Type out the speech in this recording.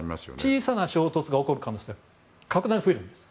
小さな衝突が起こる可能性が格段に増えるんです。